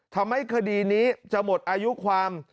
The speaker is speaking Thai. ทำให้คดีนี้จะหมดอายุความ